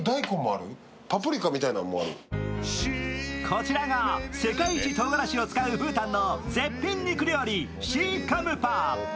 こちらが世界一とうがらしを使うブータンの絶品肉料理シーカムパ。